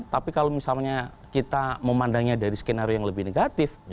tapi kalau misalnya kita memandangnya dari skenario yang lebih negatif